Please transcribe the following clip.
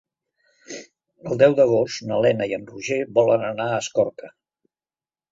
El deu d'agost na Lena i en Roger volen anar a Escorca.